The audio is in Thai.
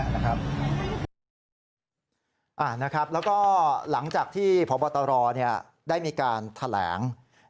แล้วก็หลังจากที่พบตรได้มีการแถลง